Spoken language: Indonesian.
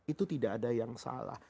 itu tidak ada yang salah